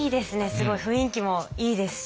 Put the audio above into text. すごい雰囲気もいいですし。